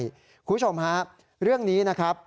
คุณผู้ชมฮะเรื่องนี้นะครับ